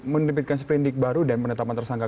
menerbitkan seprindik baru dan penetapan tersangka